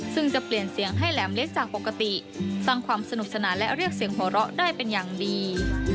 ซึ่งจะเปลี่ยนเสียงให้แหลมเล็กจากปกติสร้างความสนุกสนานและเรียกเสียงหัวเราะได้เป็นอย่างดี